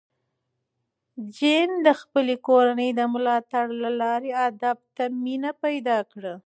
جین د خپلې کورنۍ د ملاتړ له لارې ادب ته مینه پیدا کړه.